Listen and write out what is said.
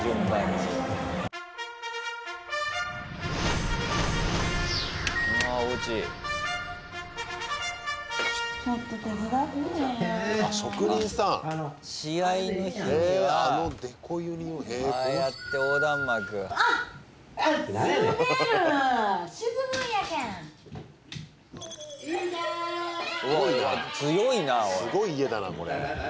すごい家だなこれ。